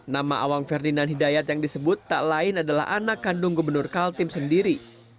nama awang ferdinand hidayat yang disebut tak lain adalah anak kandung gubernur kaltim sendiri